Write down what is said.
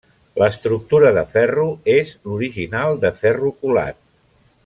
L'estructura de ferro és l'original de ferro colat.